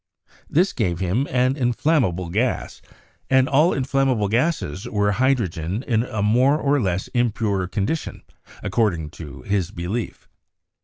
This gave him an in flammable gas, and all inflammable gases were hydrogen in a more or less impure condition, acording to his belief.